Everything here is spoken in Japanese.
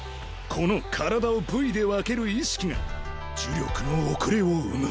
この体を部位で分ける意識が呪力の遅れを生む。